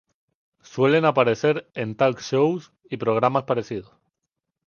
Suelen aparecer en talk shows y programas parecidos.